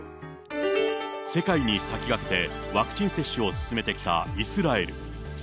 世界に先駆けてワクチン接種を進めてきたイスラエル。